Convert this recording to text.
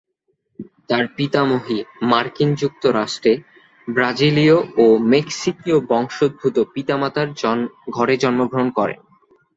তার পিতামহী মার্কিন যুক্তরাষ্ট্রে ব্রাজিলীয় ও মেক্সিকীয় বংশোদ্ভূত পিতামাতার ঘরে জন্মগ্রহণ করেন।